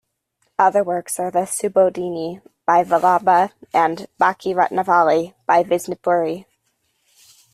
Other works are the "Subodhini" by Vallabha and "Bhakti-ratnavali" by Visnupuri.